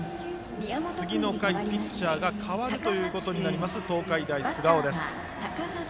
次の回、ピッチャーが代わるということになる東海大菅生。